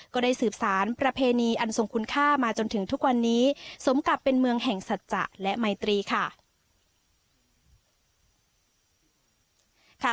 ก็ได้สืบสารประเพณีอันทรงคุณค่ามาจนถึงทุกวันนี้สมกับเป็นเมืองแห่งสัจจะและไมตรีค่ะ